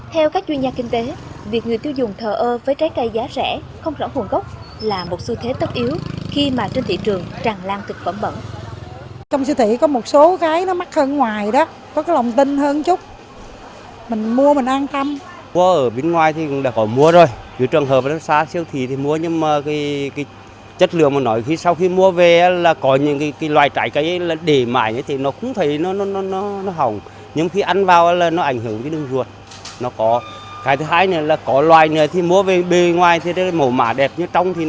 theo các chuyên gia kinh tế việc người tiêu dùng thờ ơ với trái cây giá rẻ không rõ nguồn gốc là một xu thế tất yếu khi mà trên thị trường tràn lan thực phẩm bẩn